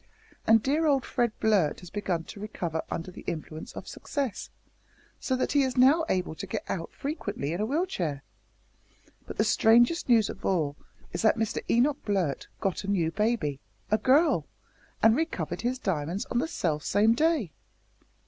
And dear old Fred Blurt has begun to recover under the influence of success, so that he is now able to get out frequently in a wheel chair. But the strangest news of all is that Mister Enoch Blurt got a new baby a girl and recovered his diamonds on the self same day!"